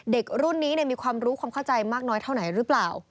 เด็กรุ่นนี้มีความรู้ความเข้าใจมากน้อยเท่าไหนหรือเปล่า